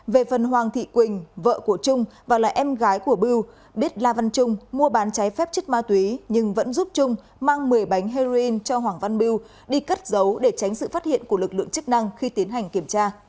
về phần hoàng thị quỳnh vợ của trung và là em gái của bưu biết la văn trung mua bán trái phép chất ma túy nhưng vẫn giúp trung mang một mươi bánh heroin cho hoàng văn bưu đi cất giấu để tránh sự phát hiện của lực lượng chức năng khi tiến hành kiểm tra